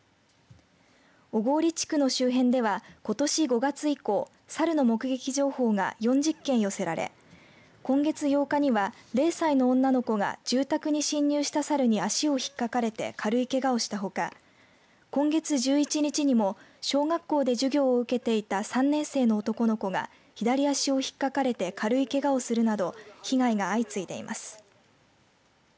小郡地区の周辺ではことし５月以降サルの目撃情報が４０件寄せられ今月８日には、０歳の女の子が住宅に侵入したサルに足を引っかかれて軽いけがをしたほか今月１１日にも小学校で授業を受けていた３年生の男の子が左足を引っかかれて軽いけがをするなど被害が相次いでいます。